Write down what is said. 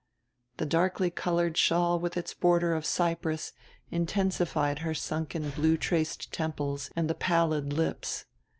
The darkly colored shawl with its border of cypress intensified her sunken blue traced temples and the pallid lips.